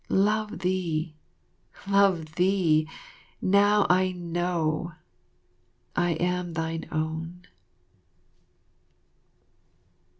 Love thee love thee ! Now I know! I am Thine Own.